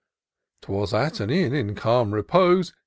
'Twas at an inn, in calm repose.